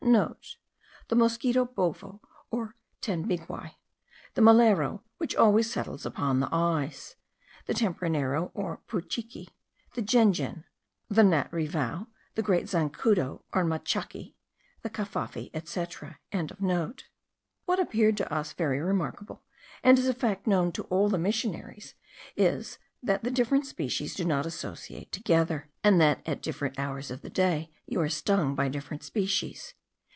(* The mosquito bovo or tenbiguai; the melero, which always settles upon the eyes; the tempranero, or putchiki; the jejen; the gnat rivau, the great zancudo, or matchaki; the cafafi, etc.) What appeared to us very remarkable, and is a fact known to all the missionaries, is, that the different species do not associate together, and that at different hours of the day you are stung by distinct species.